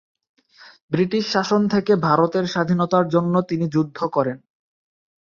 British শাসন থেকে ভারতের স্বাধীনতার জন্য তিনি যুদ্ধ করেন।